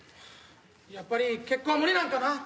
ああやっぱり結婚は無理なんかな。